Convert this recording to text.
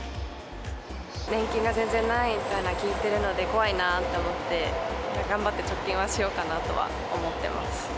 年金が全然ないっていうのは聞いてるので、怖いなぁと思って、頑張って貯金はしようかなと思ってます。